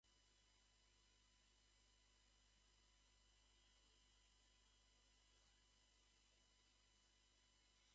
冬には、ひょうたん池の表層は鏡のように周りを写し出しとてもきれい。